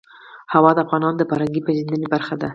هوا د افغانانو د فرهنګي پیژندنې برخه ده.